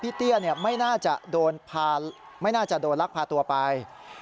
พี่เตี้ยไม่น่าจะโดนลักพาตัวไป